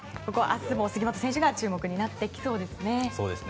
明日も杉本選手が注目になってきそうですね。